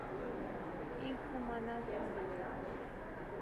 ایک زمانہ تھا